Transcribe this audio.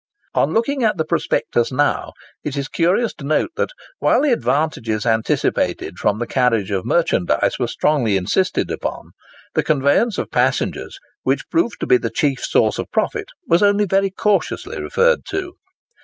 On looking at the prospectus now, it is curious to note that, while the advantages anticipated from the carriage of merchandise were strongly insisted upon, the conveyance of passengers—which proved to be the chief source of profit—was only very cautiously referred to.